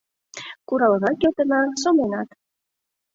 Куралынат кертына, сомленат...